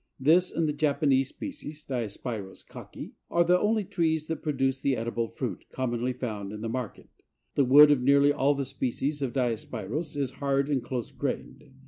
This and the Japanese species (Diospyros kaki) are the only trees that produce the edible fruit commonly found in the market. The wood of nearly all the species of Diospyros is hard and close grained.